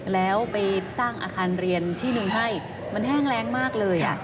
แล้วไปสร้างอาคารเรียนที่หนึ่งให้มันแห้งแรงมากเลย